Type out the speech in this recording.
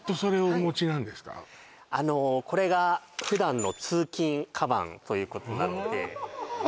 あのこれが普段の通勤カバンということなのでああ